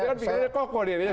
ini kan pikiran dari koko nih